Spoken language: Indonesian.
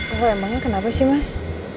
aku emangnya kenapa sih mas